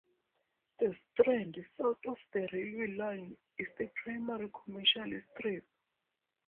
The Strand, south of the railway line, is the primary commercial strip.